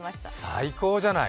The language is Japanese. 最高じゃない。